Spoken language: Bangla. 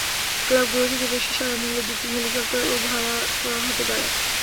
ক্লাবগুলো থেকে বেশি সাড়া মিললে দুটি হেলিকপ্টারও ভাড়া করা হতে পারে।